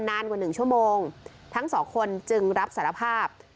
นานกว่า๑ชั่วโมงทั้งสองคนจึงรับสารภาพ